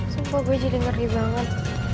sumpah gue jadi merde banget